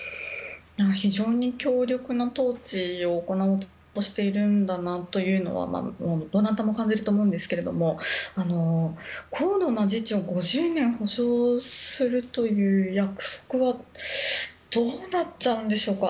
非常に強力な統治を行おうとしているんだなというのがどなたも浮かんでいると思いますが、高度な自治を５０年保障するという約束はどうなっちゃうんでしょうか。